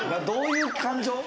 どういう感情？